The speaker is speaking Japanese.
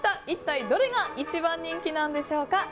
一体どれが一番人気なんでしょうか。